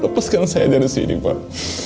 lepaskan saya dari sini pak